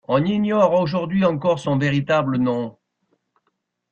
On ignore aujourd'hui encore son véritable nom.